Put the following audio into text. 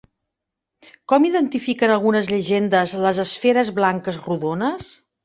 Com identifiquen algunes llegendes les esferes blanques rodones?